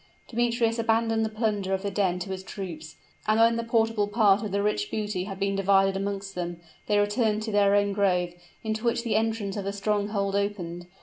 Demetrius abandoned the plunder of the den to his troops; and when the portable part of the rich booty had been divided amongst them, they returned to their own grove, into which the entrance of the stronghold opened.